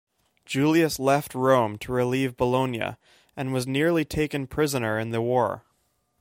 Julius left Rome to relieve Bologna, and was nearly taken prisoner in the war.